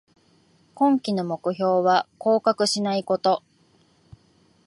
今季の目標は降格しないこと